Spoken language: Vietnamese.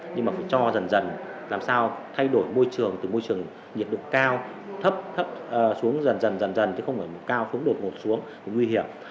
nhưng mà phải cho dần dần làm sao thay đổi môi trường từ môi trường nhiệt độ cao thấp xuống dần dần dần dần chứ không phải cao phúng đột ngột xuống nguy hiểm